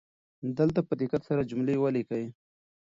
دلته په دقت سره جملې ولیکئ.